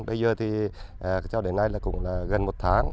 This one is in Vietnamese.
bây giờ thì cho đến nay là cũng là gần một tháng